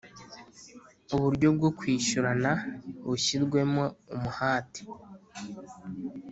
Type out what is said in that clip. uburyo bwo kwishyurana bushyirwemo umuhate